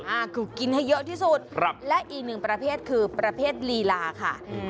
อ่าคือกินให้เยอะที่สุดครับและอีกหนึ่งประเภทคือประเภทลีลาค่ะอืม